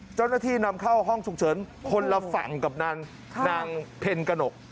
เจ้าหน้าที่นำเข้าห้องฉุกเฉินคนละฝั่งกับนางเพ็ญกนก